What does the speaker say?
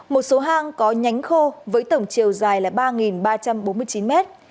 một số hang có nhánh khô với tổng chiều dài là ba ba trăm bốn mươi chín mét